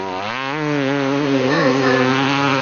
还可以通过裂缝灯观察眼睛表面来确认是否眼干。